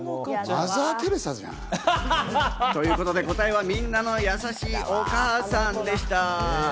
マザー・テレサじゃん！ということで、答えは「みんなの優しいお母さん」でした。